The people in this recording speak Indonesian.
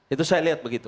itu saya lihat begitu